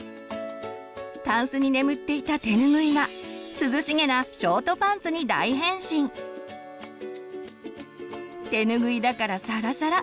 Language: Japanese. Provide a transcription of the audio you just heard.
たんすに眠っていたてぬぐいが涼しげなショートパンツに大変身！てぬぐいだからサラサラ！